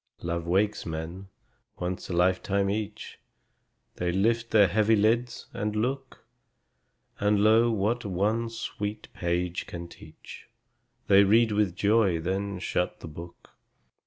Love wakes men, once a lifetime each; They lift their heavy lids, and look; And, lo, what one sweet page can teach, They read with joy, then shut the book.